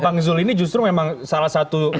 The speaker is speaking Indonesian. bang zul ini justru memang salah satu